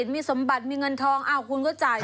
มีสมบัติมีเงินทองคุณก็จ่าย